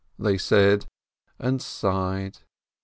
they said, and sighed.